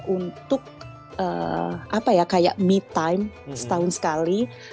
untuk apa ya kayak me time setahun sekali